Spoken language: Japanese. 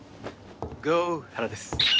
郷原です。